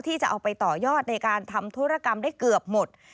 ที่จะเอาไปต่อยอดในการทำธุรกรรมได้เกือบหมด